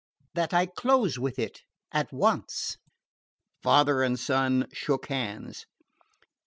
"That I close with it at once." Father and son shook hands.